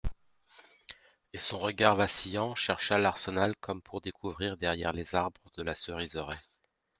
Et son regard vacillant chercha l'Arsenal comme pour découvrir derrière les arbres de la Cerisaie.